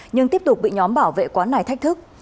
nhưng tiếp tục bị nhóm bảo vệ quán này thách thức